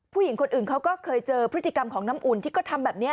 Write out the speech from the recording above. ผู้หญิงคนอื่นเขาก็เคยเจอพฤติกรรมของน้ำอุ่นที่ก็ทำแบบนี้